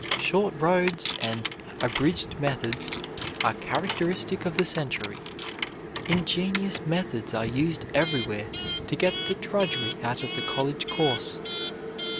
"Short roads" and "abridged methods" are characteristic of the century. Ingenious methods are used everywhere to get the drudgery out of the college course.